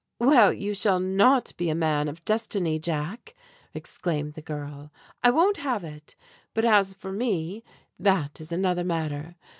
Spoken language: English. "Well, you shall not be a man of Destiny, Jack!" exclaimed the girl. "I won't have it! But as for me, that is another matter.